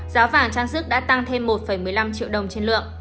giá vàng trang sức đã tăng thêm một một mươi năm triệu đồng trên lượng